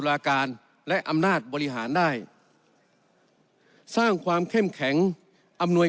ราการและอำนาจบริหารได้สร้างความเข้มแข็งอำนวย